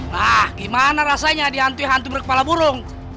nah gimana rasanya dihantui hantu berkepala burung